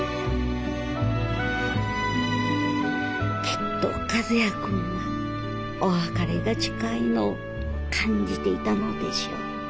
きっと和也君はお別れが近いのを感じていたのでしょう。